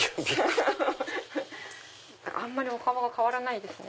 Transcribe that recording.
あんまりお顔変わらないですね。